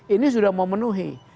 ini sudah memenuhi